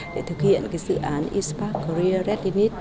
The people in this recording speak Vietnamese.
để thực hiện dự án e spark career readiness